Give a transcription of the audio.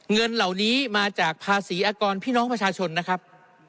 เงินเหล่านี้มาจากภาษีอากรพี่น้องประชาชนนะครับ